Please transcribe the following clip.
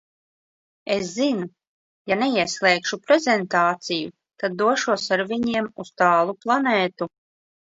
Es zinu – ja neieslēgšu prezentāciju, tad došos ar viņiem uz tālu planētu.